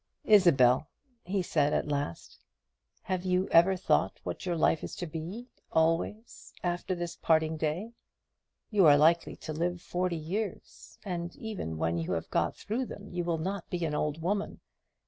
"Isabel," he said at last, "have you ever thought what your life is to be, always, after this parting to day? You are likely to live forty years, and even when you have got through them you will not be an old woman.